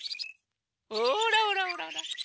ほらほらほらほら。